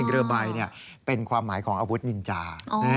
เรือใบเป็นความหมายของอาวุธนินจา